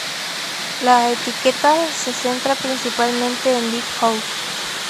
La etiqueta se centra principalmente en deep house.